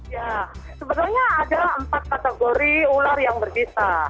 ya sebenarnya ada empat kategori ular yang berbisa